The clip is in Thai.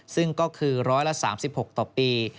ซึ่งก็คือ๑๓๖ต่อปี